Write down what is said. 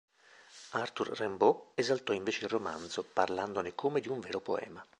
Arthur Rimbaud esaltò invece il romanzo, parlandone come di un vero poema.